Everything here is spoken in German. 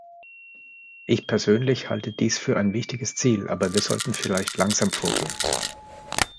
Ich persönlich halte dies für ein wichtiges Ziel, aber wir sollten vielleicht langsam vorgehen.